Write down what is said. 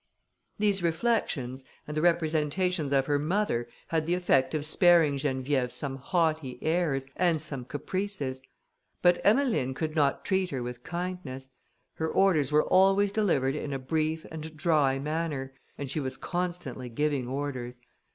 These reflections, and the representations of her mother, had the effect of sparing Geneviève some haughty airs, and some caprices; but Emmeline could not treat her with kindness. Her orders were always delivered in a brief and dry manner, and she was constantly giving orders.